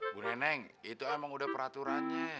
bu neneng itu emang udah peraturannya